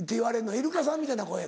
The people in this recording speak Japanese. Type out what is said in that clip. イルカさんみたいな声って。